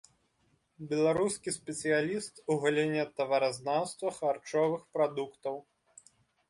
Беларускі спецыяліст у галіне таваразнаўства харчовых прадуктаў.